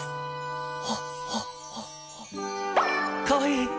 かわいい！